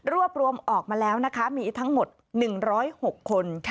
รวบรวมออกมาแล้วนะคะมีทั้งหมด๑๐๖คน